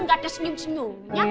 gak ada senyum senyumnya